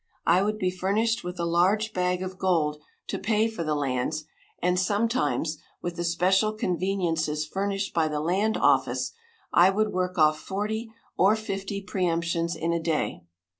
I would be furnished with a large bag of gold to pay for the lands, and sometimes, with the special conveniences furnished by the land office, I would work off forty or fifty preëmptions in a day.